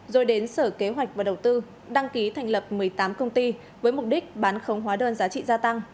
rồi đến sở kế hoạch và đầu tư đăng ký thành lập một mươi tám công ty với mục đích bán không hóa đơn giá trị gia tăng